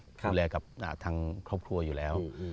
ดูแลกับทางครอบครัวอยู่แล้ว